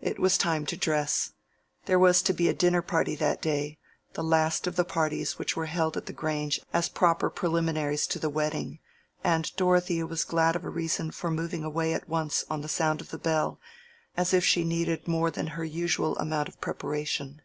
It was time to dress. There was to be a dinner party that day, the last of the parties which were held at the Grange as proper preliminaries to the wedding, and Dorothea was glad of a reason for moving away at once on the sound of the bell, as if she needed more than her usual amount of preparation.